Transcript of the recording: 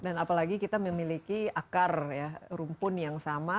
apalagi kita memiliki akar ya rumpun yang sama